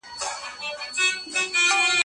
ډسپلین د پرمختګ لامل سو.